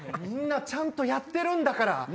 みんなちゃんとやってるから！